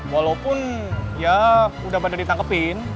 walaupun ya udah pada ditangkepin